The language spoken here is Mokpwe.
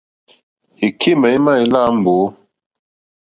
Èkémà émá èláǃá mbǒ.